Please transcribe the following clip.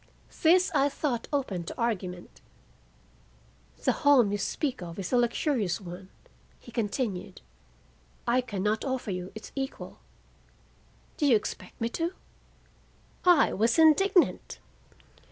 This I thought open to argument. "The home you speak of is a luxurious one," he continued. "I can not offer you its equal Do you expect me to?" I was indignant.